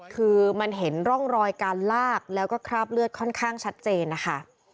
คือมันเห็นร่องรอยการลากแล้วก็คราบเลือดค่อนข้างชัดเจนนะคะ